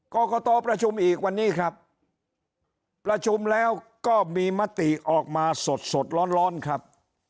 กรกตประชุมอีกวันนี้ครับประชุมแล้วก็มีมติออกมาสดสดร้อนครับ